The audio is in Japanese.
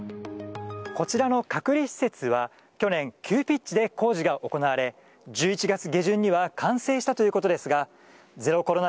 こちらの隔離施設は去年、急ピッチで工事が行われ１１月下旬には完成したということですがゼロコロナ